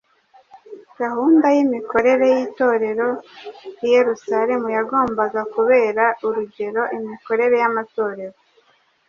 Gahunda y’imikorere y’Itorero i Yerusalemu yagombaga kubera urugero imikorere y’amatorero